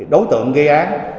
đối tượng gây án